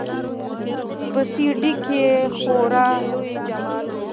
په سي ډي کښې خورا لوى جماعت و.